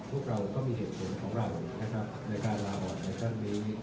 พวกเราก็มีเหตุผลของเราในการลาบอร์ดในพันปี